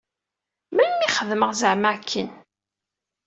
Melmi i xedmeɣ zeɛma akken?